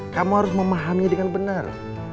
kamu harus memahaminya dengan benar